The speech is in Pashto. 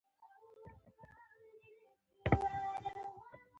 • کله به یې له زدهکوونکو سره خبرې کولې.